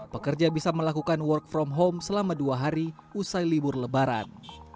pekerja bisa melakukan work from home selama dua hari usai libur lebaran